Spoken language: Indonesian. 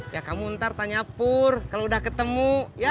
ya kamu ntar tanya pur kalau udah ketemu